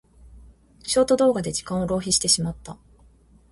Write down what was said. ショート動画で時間を浪費してしまった。